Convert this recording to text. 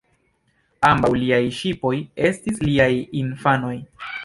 Ambaŭ liaj ŝipoj estis liaj infanoj.